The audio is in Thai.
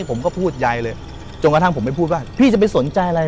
ผมก็พูดใยเลยจนกระทั่งผมไม่พูดว่าพี่จะไปสนใจอะไร